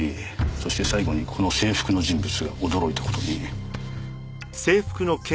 そして最後にこの制服の人物が驚いた事に。